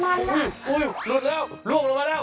เข้าใจนะดุ๋ตีสรริงแบบมันสนุกมาก